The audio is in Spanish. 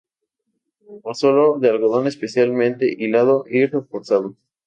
O solo de algodón especialmente hilado y reforzado.